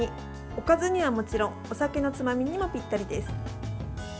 おかずにはもちろんお酒のつまみにもぴったりです。